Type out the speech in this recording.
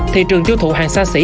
thị trường tiêu thụ hàng xa xỉ